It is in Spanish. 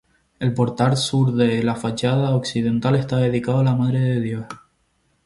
El portal sur de la fachada occidental está dedicado a la Madre de Dios.